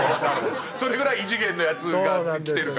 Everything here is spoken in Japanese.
それぐらい異次元のヤツが来てるから。